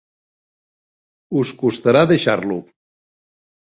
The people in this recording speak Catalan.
Us costarà deixar-lo.